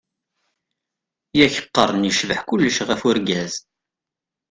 Yak qqaren yecbeḥ kulec ɣef urgaz.